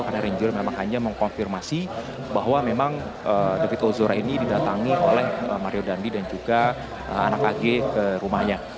karena renjiro memang hanya mengkonfirmasi bahwa memang david ozora ini didatangi oleh mario dandi dan juga anak ag ke rumahnya